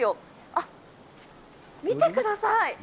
あっ、見てください。